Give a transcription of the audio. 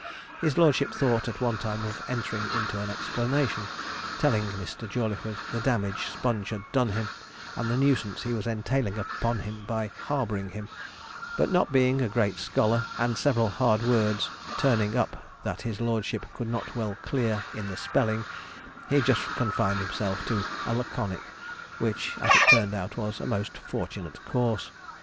His lordship thought at one time of entering into an explanation, telling Mr. Jawleyford the damage Sponge had done him, and the nuisance he was entailing upon him by harbouring him; but not being a great scholar, and several hard words turning up that his lordship could not well clear in the spelling, he just confined himself to a laconic, which, as it turned out, was a most fortunate course.